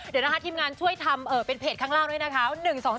เดี๋ยวนะคะทีมงานช่วยทำเป็นเพจข้างล่างด้วยนะคะ